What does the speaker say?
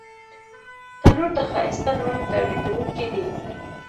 تنور د ښایسته نانو تولیدوونکی دی